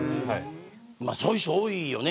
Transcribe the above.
そういう人多いよね。